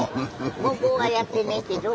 向こうはやってねえけど。